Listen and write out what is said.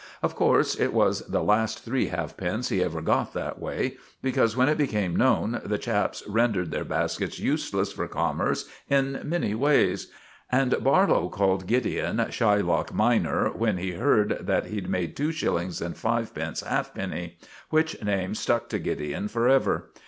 Of course, it was the last three halfpence he ever got that way, because when it became known the chaps rendered their baskets useless for commerce in many ways. And Barlow called Gideon "Shylock minor" when he heard that he'd made two shillings and fivepence halfpenny; which name stuck to Gideon forever.